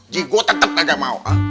ji gue tetep gak mau